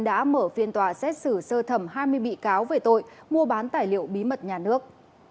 đã mở phiên tòa xét xử sơ thẩm hai mươi bị cáo về tội mua bán tài liệu bí mật nhà nước